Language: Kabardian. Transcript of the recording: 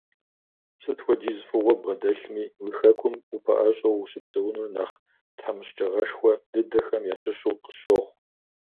Сыт хуэдиз фӀыгъуэ ббгъэдэлъми, уи Хэкум упэӀэщӀэу ущыпсэуныр нэхъ тхьэмыщкӀагъэшхуэ дыдэхэм ящыщу къысщохъу.